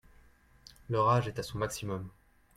L'orage est à son maximum.